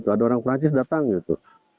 ada orang perancis datang gitu